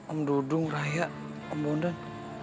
om dudung raya om bondan